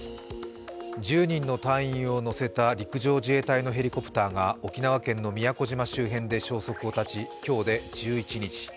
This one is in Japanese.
１０人の隊員を乗せた陸上自衛隊のヘリコプターは沖縄県の宮古島周辺で消息を絶ち、今日で１１日。